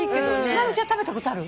直美ちゃん食べたことある？